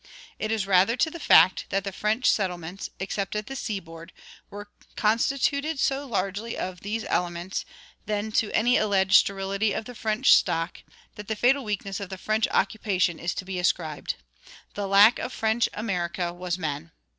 It is rather to the fact that the French settlements, except at the seaboard, were constituted so largely of these elements, than to any alleged sterility of the French stock, that the fatal weakness of the French occupation is to be ascribed. The lack of French America was men.